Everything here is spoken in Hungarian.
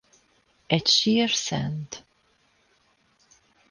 Egy sír Szt.